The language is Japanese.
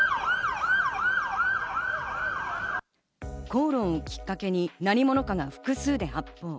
口論をきっかけに何者かが複数で発砲。